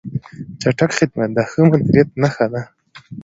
چټک خدمت د ښه مدیریت نښه ده.